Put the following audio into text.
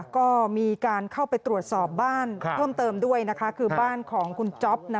ก็มีการเข้าไปตรวจสอบบ้านเพิ่มเติมด้วยนะคะคือบ้านของคุณจ๊อป